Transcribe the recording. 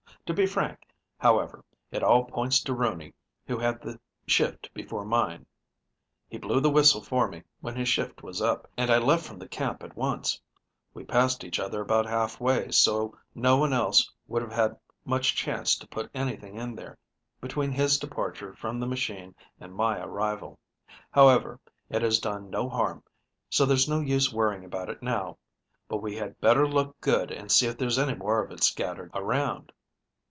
To be frank, however, it all points to Rooney, who had the shift before mine. He blew the whistle for me when his shift was up, and I left from the camp at once. We passed each other about halfway, so no one else would have had much chance to put anything in there, between his departure from the machine and my arrival. However, it has done no harm, so there's no use worrying about it now, but we had better look good, and see if there's any more of it scattered around."